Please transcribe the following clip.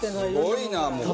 すごいなあ！